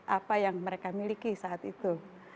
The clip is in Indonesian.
apa yang mereka miliki saat itu